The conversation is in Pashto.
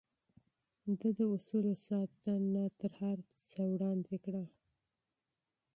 ده د اصولو ساتنه تر هر څه وړاندې کړه.